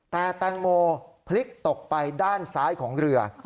แต่แตงโมพลิกตกไปด้านซ้ายของเรือ